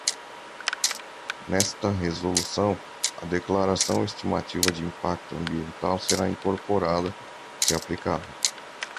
Nesta resolução, a declaração ou estimativa de impacto ambiental será incorporada, se aplicável.